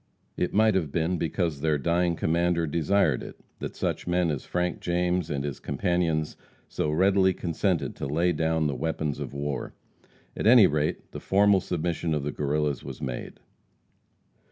It might have been because their dying commander desired it, that such men as Frank James and his companions so readily consented to lay down the weapons of war. At any rate, the formal submission of the Guerrillas was made.